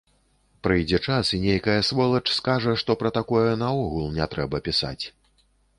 Прыйдзе час і нейкая сволач скажа, што пра такое наогул не трэба пісаць.